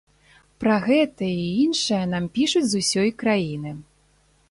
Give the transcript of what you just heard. Пра гэта і іншае нам пішуць з усёй краіны.